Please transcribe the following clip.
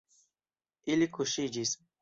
Ili kuŝiĝis.